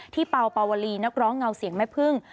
เป่าปาวลีนักร้องเงาเสียงแม่พึ่ง